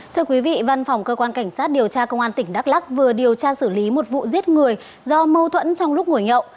thưa quý vị văn phòng cơ quan cảnh sát điều tra công an tỉnh đắk lắc vừa điều tra xử lý một vụ giết người do mâu thuẫn trong lúc ngồi nhậu